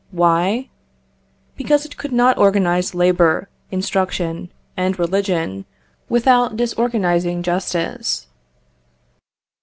Why? Because it could not organise labour, instruction, and religion, without disorganising justice.